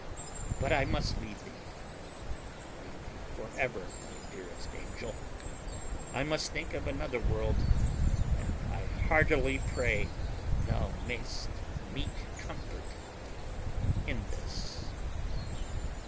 But I must leave thee, leave thee for ever, my dearest angel! I must think of another world; and I heartily pray thou may'st meet comfort in this."